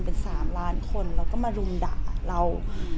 เป็น๓ล้านคนแล้วก็มารุมด่าเรา